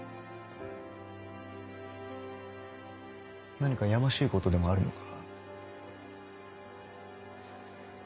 何かやましい事でもあるのか？